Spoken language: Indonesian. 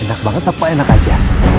enak banget apa enak aja